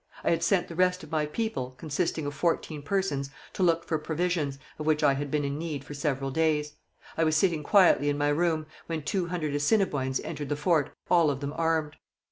I had sent the rest of my people, consisting of fourteen persons, to look for provisions, of which I had been in need for several days. I was sitting quietly in my room, when two hundred Assiniboines entered the fort, all of them armed.